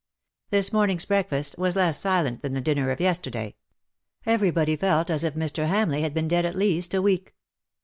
This morning's breakfast was less silent than the dinner of yesterday. Everybody felt as if Mr. Hamleigh had been dead at least a week.